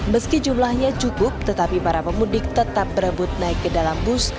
meski jumlahnya cukup tetapi para pemudik tetap berebut naik ke dalam bus